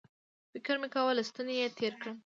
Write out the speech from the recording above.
فکر مې کاوه له ستوني یې تېر کړم